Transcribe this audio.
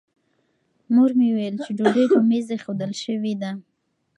مور مې وویل چې ډوډۍ په مېز ایښودل شوې ده.